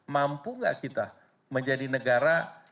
mampu nggak kita menjadi negara